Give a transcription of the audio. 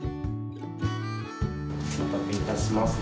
お待たせいたしました。